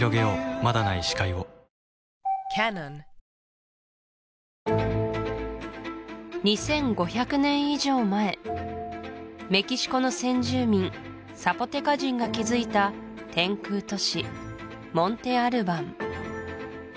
まだない視界を２５００年以上前メキシコの先住民サポテカ人が築いた天空都市モンテ・アルバン